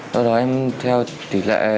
sau đó thì mình phải pha chế với tỷ lệ như thế nào